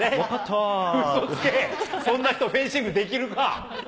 うそつけ、そんな人、フェンシングできるか。